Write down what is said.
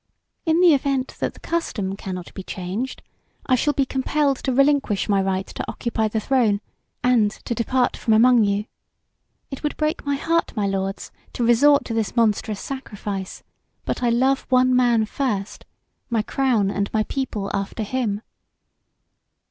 "In the event that the custom cannot be changed, I shall be compelled to relinquish my right to occupy the throne and to depart from among you. It would break my heart, my lords, to resort to this monstrous sacrifice, but I love one man first, my crown and my people after him."